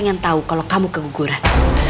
saya ingin tahu kalau kamu keguguran